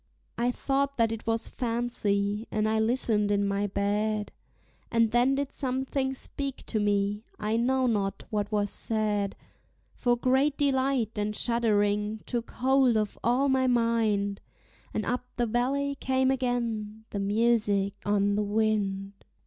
I thought that it was fancy, and I listened in my bed; And then did something speak to me, I know not what was said; For great delight and shuddering took hold of all my mind, And up the valley came again the music on the wind.